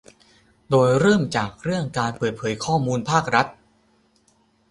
โดยเริ่มจากเรื่องการเปิดเผยข้อมูลภาครัฐ